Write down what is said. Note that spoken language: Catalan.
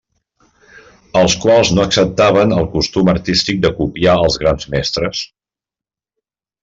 Els quals no acceptaven el costum artístic de copiar els grans mestres.